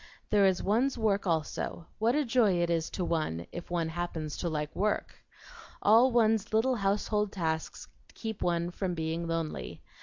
There is one's work also: what a joy it is to one, if one happens to like work. All one's little household tasks keep one from being lonely.